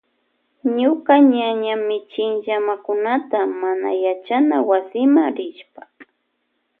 Ñuka ñaña michin llamakunata mana yachana wasima rishpa.